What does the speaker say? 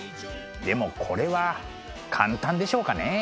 でもこれは簡単でしょうかね？